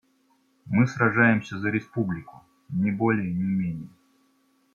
Мы сражаемся за республику, ни более, ни менее.